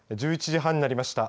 １１時半になりました。